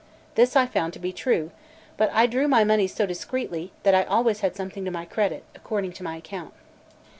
This I found to be true; but I drew my monies so discreetly, that I had always something to my credit, according to my account.